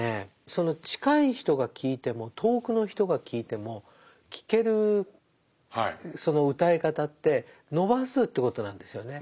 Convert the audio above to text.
その近い人が聴いても遠くの人が聴いても聴けるその歌い方って伸ばすということなんですよね。